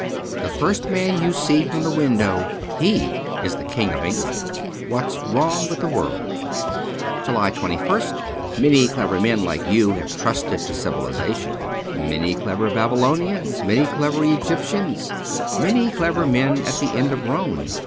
The first man you see from the window, he is the King of England. ^What's Wrong with the JJ'orlJ.' 224 JULY 2 1 St MANY clever men like you have trusted to civilization. Many clever Babylonians, many clever Egyptians, many clever men at the end of Rome.